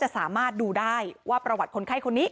สามารถดูได้ว่าประวัติคนไข้คนนี้